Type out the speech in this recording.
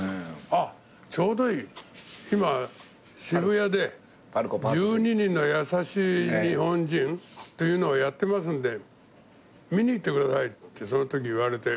「あっちょうどいい今渋谷で『１２人の優しい日本人』っていうのやってますんで見に行ってください」ってそのとき言われて。